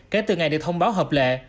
kể từ ngày được thông báo hợp lệ